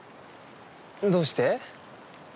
どうして？